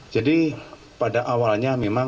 jadi pada awalnya memang